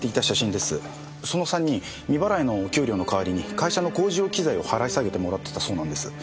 その３人未払いの給料の代わりに会社の工事用機材を払い下げてもらってたそうなんです。